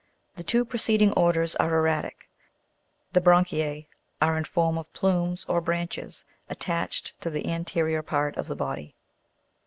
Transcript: The two preceding orders are erratic. The branchiae are in form of plumes or branches attached to the anterior part of the body (fig.